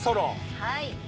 はい。